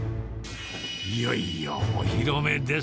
いよいよお披露目です。